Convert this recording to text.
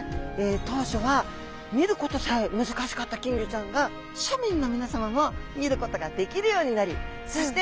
当初は見ることさえ難しかった金魚ちゃんが庶民のみなさまも見ることができるようになりそして